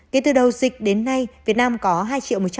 kể từ đầu dịch đến nay việt nam có hai triệu